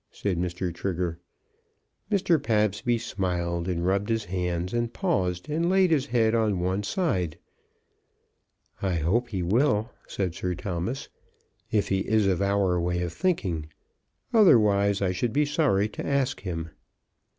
said Mr. Trigger. Mr. Pabsby smiled and rubbed his hands, and paused and laid his head on one side. "I hope he will," said Sir Thomas, "if he is of our way cf thinking, otherwise I should be sorry to ask him."